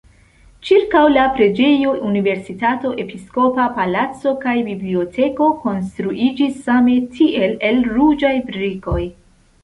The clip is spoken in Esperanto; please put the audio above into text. Ĉirkaŭ la preĝejo universitato, episkopa palaco kaj biblioteko konstruiĝis same tiel el ruĝaj brikoj.